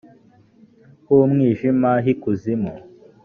h umwijima h ikuzimu